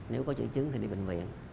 nếu có chữ chứng thì đi bệnh viện